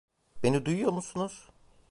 Beni duyuyor musunuz?